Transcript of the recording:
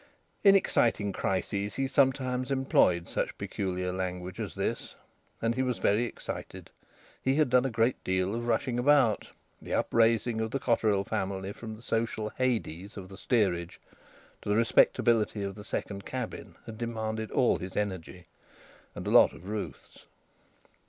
In exciting crises he sometimes employed such peculiar language as this. And he was very excited. He had done a great deal of rushing about. The upraising of the Cotterill family from the social Hades of the steerage to the respectability of the second cabin had demanded all his energy, and a lot of Ruth's.